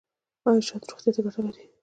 ایا شات روغتیا ته ګټه لري؟